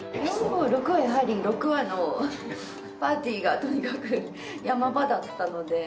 ４５６はやはり６話のパーティーがとにかくヤマ場だったので。